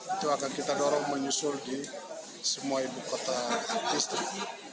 itu akan kita dorong menyusul di semua ibu kota listrik